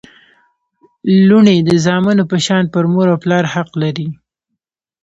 لوڼي د زامنو په شان پر مور او پلار حق لري